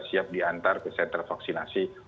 siap diantar ke sentra vaksinasi